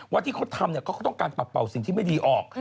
ว่าที่เขาทำเขาก็ต้องการปัดเป่าสิ่งที่ไม่ดีออก